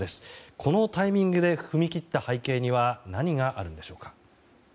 このタイミングで踏み切った背景には何があるんでしょうか。